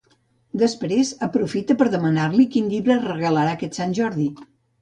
Després, aprofita per demanar-li quin llibre regalarà aquest Sant Jordi.